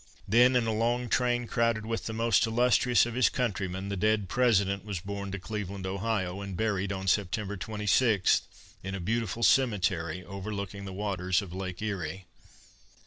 Then, in a long train crowded with the most illustrious of his countrymen, the dead President was borne to Cleveland, Ohio, and buried on September 26, in a beautiful cemetery overlooking the waters of Lake Erie.